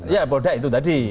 ya polda itu tadi